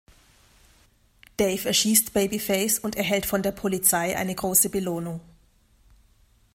Dave erschießt Baby Face und erhält von der Polizei eine große Belohnung.